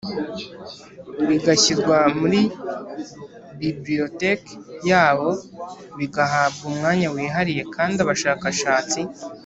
bigashyirwa muri Bibliotheque yabo bigahabwa umwanya wihariye kandi abashakashatsi